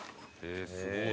すごい。